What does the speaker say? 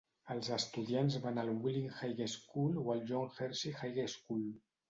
Els estudiants van al Wheeling High School o al John Hersey High School.